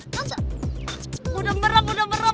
tante udah merem udah merem